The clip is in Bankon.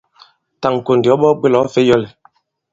Tà ì-ŋ̀kò ndì ɔ baa-bwě là ɔ̌ fè i yɔ̌l ì?